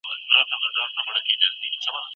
په لویه جرګه کي د ښځو ږغ څنګه اورېدل کیږي؟